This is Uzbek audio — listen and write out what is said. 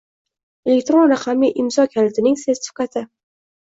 Elektron raqamli imzo kalitining sertifikati